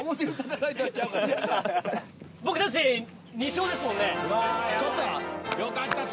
僕たち２勝ですもんね。